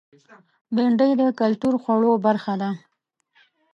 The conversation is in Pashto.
بېنډۍ د کلتور خوړو برخه ده